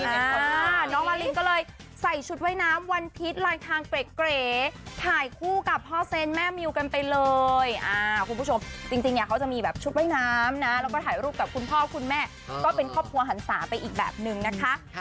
น้องลาลินก็เลยใส่ชุดว่ายน้ำวันพิษลายทางเกรถ่ายคู่กับพ่อเซนแม่มิวกันไปเลยคุณผู้ชมจริงเนี่ยเขาจะมีแบบชุดว่ายน้ำนะแล้วก็ถ่ายรูปกับคุณพ่อคุณแม่ก็เป็นครอบครัวหันศาไปอีกแบบนึงนะคะ